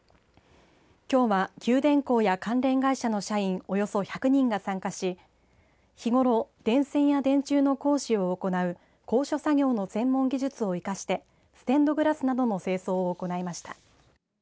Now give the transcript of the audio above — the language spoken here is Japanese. きょうは九電工や関連会社の社員およそ１００人が参加し日頃、電線や電柱の工事を行う高所作業の専門技術を生かしてステンドグラスなどの清掃を行いました。